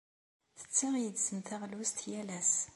Ttesseɣ yid-sen taɣlust yal ass.